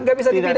gak bisa dipidana